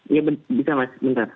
iya bisa mas bentar